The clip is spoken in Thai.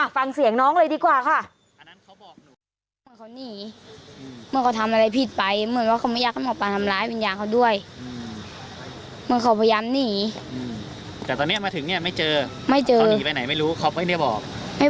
ฟังเสียงน้องเลยดีกว่าค่ะ